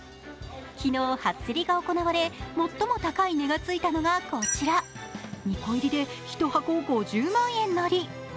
昨日、初競りが行われ、最も高い値がついたのがこちら、２個入りで１箱５０万円也。